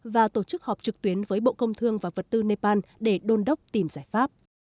và tổ chức họp trực tuyến với bộ công thương và vật tư nepal để đôn đốc tìm giải pháp